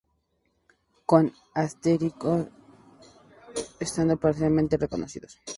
Con asterisco, Estados parcialmente reconocidos.